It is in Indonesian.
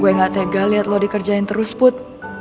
gue gak tega lihat lo dikerjain terus put